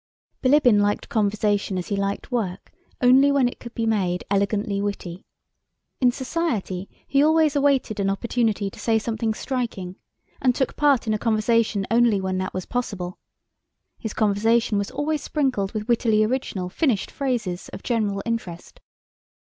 Bilíbin liked conversation as he liked work, only when it could be made elegantly witty. In society he always awaited an opportunity to say something striking and took part in a conversation only when that was possible. His conversation was always sprinkled with wittily original, finished phrases of general interest.